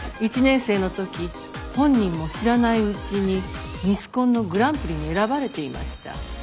１年生の時本人も知らないうちにミスコンのグランプリに選ばれていました。